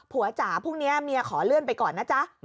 จ๋าพรุ่งนี้เมียขอเลื่อนไปก่อนนะจ๊ะ